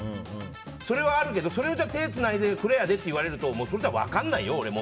それはあるけど手をつないで黒やでって言われたらそれは分からないよ、俺も。